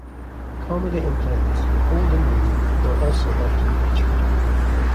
Comedy and plays-old and new-were also often featured.